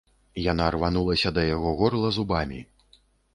Яна рванулася да яго горла зубамі.